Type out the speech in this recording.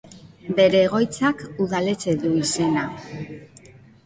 Bere egoitzak udaletxe du izena.